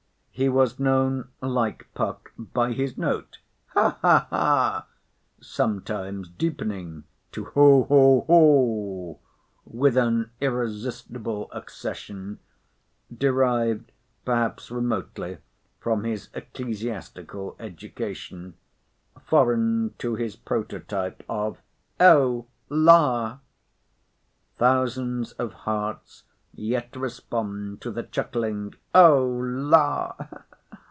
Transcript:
He was known, like Puck, by his note—Ha! Ha! Ha!—sometimes deepening to Ho! Ho! Ho! with an irresistible accession, derived perhaps remotely from his ecclesiastical education, foreign to his prototype, of—O La! Thousands of hearts yet respond to the chuckling O La!